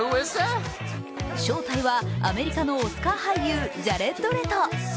正体は、アメリカのオスカー俳優、ジャレッド・レト。